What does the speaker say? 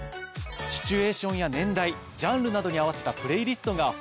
シチュエーションや年代ジャンルなどに合わせたプレイリストが豊富なんですよね。